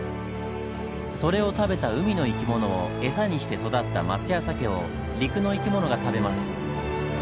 それを食べた海の生き物を餌にして育ったマスやサケを陸の生き物が食べます。